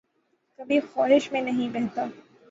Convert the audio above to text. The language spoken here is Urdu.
کبھی خواہشات میں نہیں بہتا